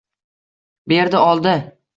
Berdi-oldi!